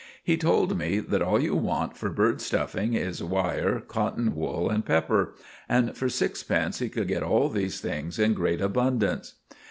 He told me that all you want for bird stuffing is wire, cotton wool and pepper; and for sixpence he could get all these things in great abundance.